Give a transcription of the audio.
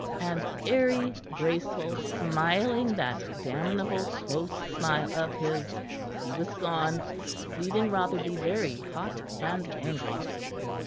And airy, graceful, smiling that damnable close smile of his, he was gone, leaving Rotherby very hot and angry.